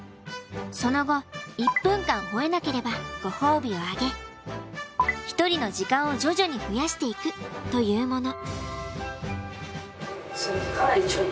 その後１分間吠えなければご褒美をあげひとりの時間を徐々に増やしていくというもの。